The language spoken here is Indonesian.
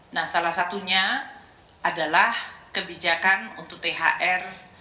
nah salah satunya adalah kebijakan untuk thr